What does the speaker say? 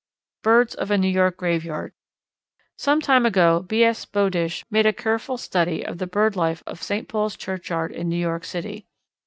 Birds of a New York Graveyard. Some time ago B. S. Bowdish made a careful study of the bird life of St. Paul's Churchyard, in New York City.